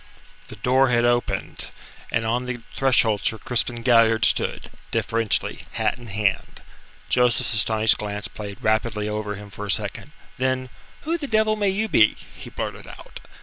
The door had opened, and on the threshold Sir Crispin Galliard stood, deferentially, hat in hand. Joseph's astonished glance played rapidly over him for a second. Then: "Who the devil may you be?" he blurted out.